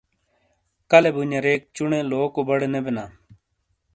کلے بُنیاریک چُنے لوکو بڑے نے بینا۔